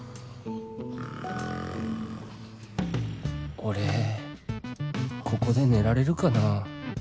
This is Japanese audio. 俺ここで寝られるかなぁ